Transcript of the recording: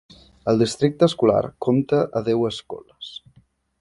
El districte escolar compta a deu escoles.